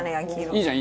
いいじゃん！